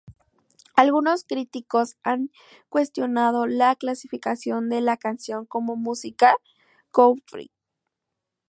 Algunos críticos han cuestionado la clasificación de la canción como música "country".